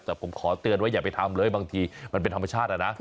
แต่ผมขอเตือนว่าอย่าไปทำเลยบางทีมันเป็นธรรมชาตินะ